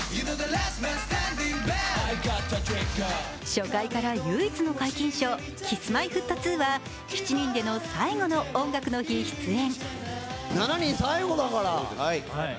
初回から唯一の皆勤賞、Ｋｉｓ−Ｍｙ−Ｆｔ２は７人での最後の「音楽の日」出演。